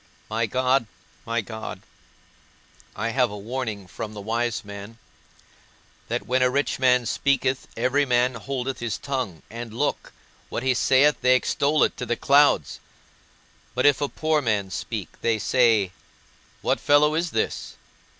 My God, my God, I have a warning from the wise man, that _when a rich man speaketh every man holdeth his tongue, and, look, what he saith, they extol it to the clouds; but if a poor man speak, they say, What fellow is this?